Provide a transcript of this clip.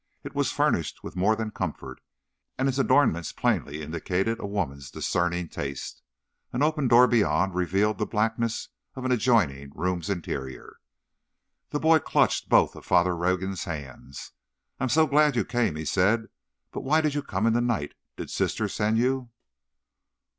It was furnished with more than comfort, and its adornments plainly indicated a woman's discerning taste. An open door beyond revealed the blackness of an adjoining room's interior. The boy clutched both of Father Rogan's hands. "I'm so glad you came," he said; "but why did you come in the night? Did sister send you?"